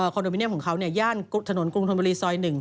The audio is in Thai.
โดมิเนียมของเขาย่านถนนกรุงธนบุรีซอย๑